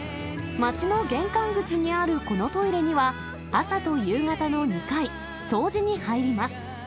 町の玄関口にあるこのトイレには、朝と夕方の２回、掃除に入ります。